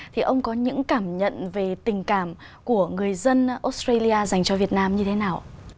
thì ông có những cảm nhận về tình cảm của người dân australia dành cho việt nam như thế nào